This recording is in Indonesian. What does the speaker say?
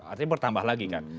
artinya bertambah lagi kan